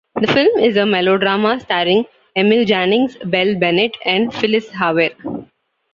The film is a melodrama starring Emil Jannings, Belle Bennett, and Phyllis Haver.